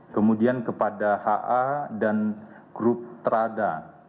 kemudian kepada ha dan grup terada